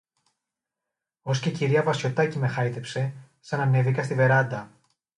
Ως και η κυρία Βασιωτάκη με χάιδεψε, σαν ανέβηκα στη βεράντα.